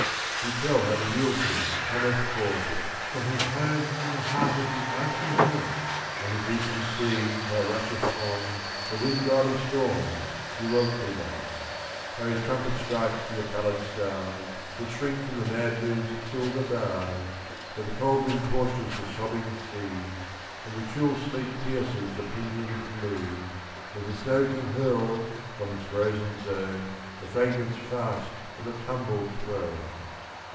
You tell how the Yule king cometh forth From his home in the heart of the icy North; On his Eastern steeds how rusheth on The wind god of storms, Euroclydon; How his trumpet strikes to the pallid stars That shrink from the mad moon's silver bars, Where the cold wind tortures the sobbing sea, And the chill sleet pierces the pinioned lea, As the snow king hurls from his frozen zone The fragments fast of a tumbled throne.